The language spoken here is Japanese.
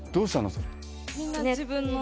それ。